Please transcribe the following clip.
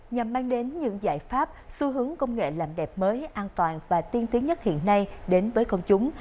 nhằm mang đến những giải pháp xu hướng công nghệ làm đẹp mới an toàn và tiên tiến nhất hiện nay đến với công chúng